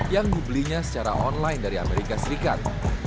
yang dibelinya secara online dari amerika serikat